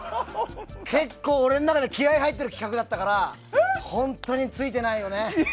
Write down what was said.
結構俺の中で気合入ってる企画だったから本当についてないよね。